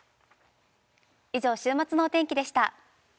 以上、週末のお天気でした。